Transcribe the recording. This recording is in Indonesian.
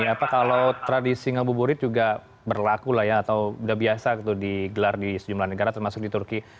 apa kalau tradisi ngabuburit juga berlaku lah ya atau sudah biasa digelar di sejumlah negara termasuk di turki